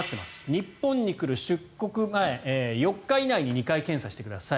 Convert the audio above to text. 日本に来る出国前４日以内に２回検査してください